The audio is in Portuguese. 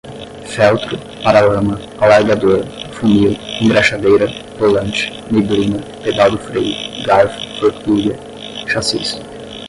feltro, para-lama, alargador, funil, engraxadeira, volante, neblina, pedal do freio, garfo, forquilha, chassis